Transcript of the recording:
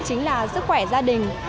chính là sức khỏe gia đình